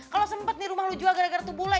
kalo sempet nih rumah lo jual gara gara tuh bule